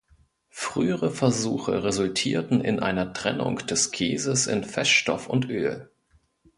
Frühere Versuche resultierten in einer Trennung des Käses in Feststoff und Öl.